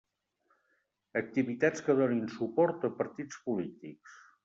Activitats que donin suport a partits polítics.